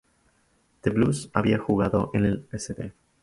The Blues había jugado en el St.